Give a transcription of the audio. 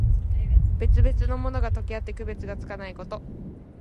別々のものが、とけあって区別がつかないこと。